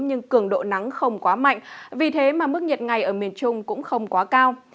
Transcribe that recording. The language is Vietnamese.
nhưng cường độ nắng không quá mạnh vì thế mà mức nhiệt ngày ở miền trung cũng không quá cao